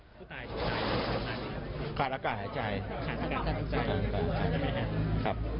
ขาดอากาศหายใจ